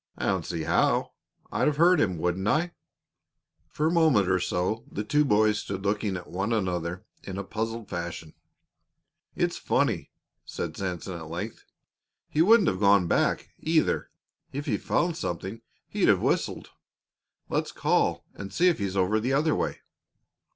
"I don't see how. I'd have heard him, wouldn't I?" For a moment or so the two boys stood looking at one another in a puzzled fashion. "It's funny," Sanson said at length. "He wouldn't have gone back, either. If he found something, he'd have whistled. Let's call and see if he's over the other way."